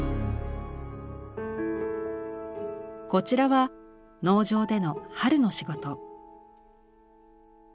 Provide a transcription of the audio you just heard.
こちらは農場での春の仕事。